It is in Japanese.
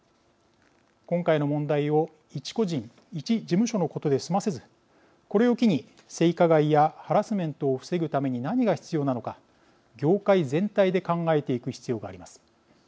今回の問題を一個人一事務所のことで済ませずこれを機に、性加害やハラスメントを防ぐために何が必要なのか業界全体で考えていく必要があります。